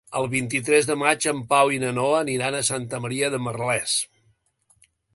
El vint-i-tres de maig en Pau i na Noa aniran a Santa Maria de Merlès.